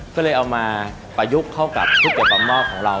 ก็เลยเอามาประยุกต์เข้ากับผู้เป่าหม้อของเรา